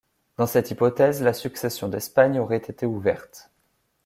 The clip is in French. Dans cette hypothèse, la succession d'Espagne aurait été ouverte.